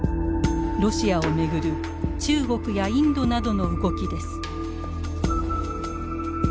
ロシアを巡る中国やインドなどの動きです。